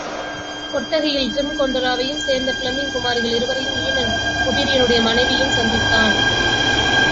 கொட்டகையில் டிரம்கொண்டராவைச் சேர்ந்த பிளெமிங் குமாரிகள் இருவரையும் ஈமன் ஒபிரியனுடைய மனைவியையும் சந்தித்தான்.